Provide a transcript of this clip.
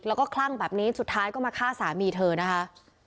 แล้วก็คลั่งแบบนี้สุดท้ายก็มาฆ่าสามีเธอนะคะ